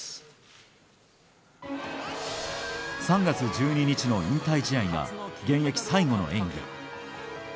３月１２日の引退試合が現役最後の演技。